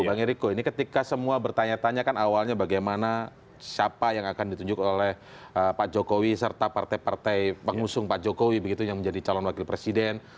bang eriko ini ketika semua bertanya tanya kan awalnya bagaimana siapa yang akan ditunjuk oleh pak jokowi serta partai partai pengusung pak jokowi begitu yang menjadi calon wakil presiden